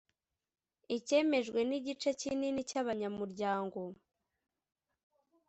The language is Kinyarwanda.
Icyemejwe n’ igice kinini cy’ abanyamuryango